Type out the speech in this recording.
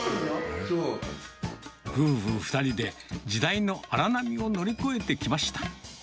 夫婦２人で時代の荒波を乗り越えてきました。